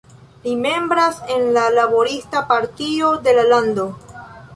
Li membras en la "Laborista Partio" de la lando.